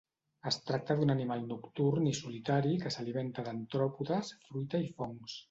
Es tracta d'un animal nocturn i solitari que s'alimenta d'artròpodes, fruita i fongs.